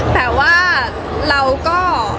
แต่ว่าเราก็